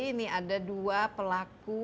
ini ada dua pelaku